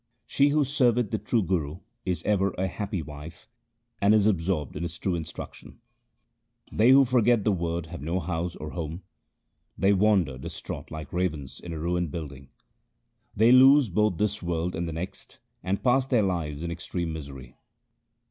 She who serveth the true Guru is ever a happy wife, and is absorbed in his true instruction. They who forget the Word have no house or home : They wander distraught like ravens in a ruined building ; They lose both this world and the next and pass their lives in extreme misery.